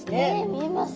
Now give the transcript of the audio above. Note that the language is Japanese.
見えます。